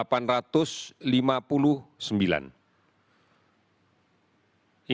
ketika ini kasus suspek yang terdampak dari tiga puluh empat provinsi